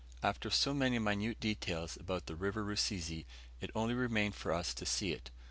After so many minute details about the River Rusizi, it only remained for us to see it.